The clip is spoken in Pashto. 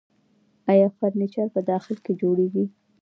آیا فرنیچر په داخل کې جوړیږي؟